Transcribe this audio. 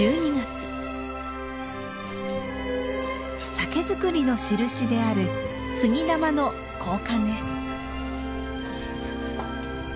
酒造りの印である杉玉の交換です。